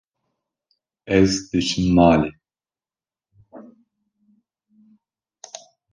Ez diçim malê.